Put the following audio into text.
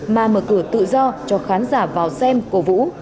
mà mở cửa tự do cho khán giả vào xem cổ vũ